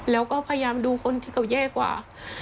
แล้วก็พยายามดูคนที่เขาแย่กว่า